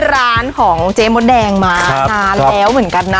ร้านของเจ๊มดแดงมานานแล้วเหมือนกันนะ